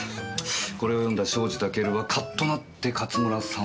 これを読んだ庄司タケルはカッとなって勝村さんを。